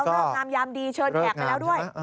เลิกงามยามดีเชิญแขกไปแล้วด้วย